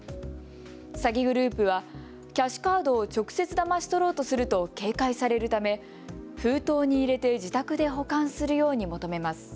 詐欺グループはキャッシュカードを直接、だまし取ろうとすると警戒されるため封筒に入れて自宅で保管するように求めます。